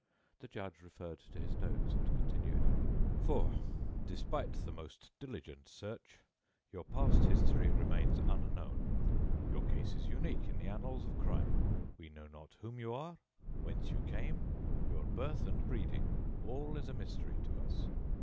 The judge referred to his notes, and continued: "For, despite the most diligent search, your past history remains unknown. Your case is unique in the annals of crime. We know not whom you are, whence you came, your birth and breeding all is a mystery to us.